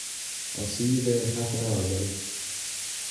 I'll see you there in half an hour buddy.